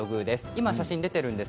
今、写真が出ています。